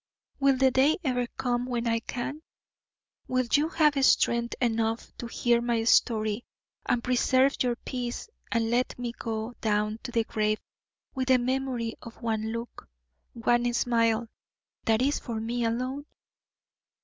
Will the day ever come when I can? Will you have strength enough to hear my story and preserve your peace and let me go down to the grave with the memory of one look, one smile, that is for me alone?